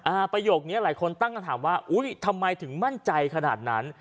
ประโยคนี้หลายคนตั้งคำถามว่าอุ้ยทำไมถึงมั่นใจขนาดนั้น